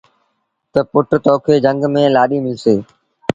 تا پُٽ تو کي جھنگ ميݩ لآڏيٚ ملسي۔